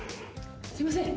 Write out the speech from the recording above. すいません。